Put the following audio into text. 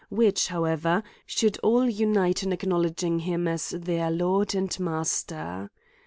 Which, however, should all unite in acknowledging him as their Lord and Master.